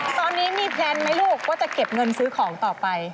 ตอนนี้มีแพลนไหมลูกว่าจะเก็บเงินซื้อของต่อไป